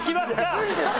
無理ですよ！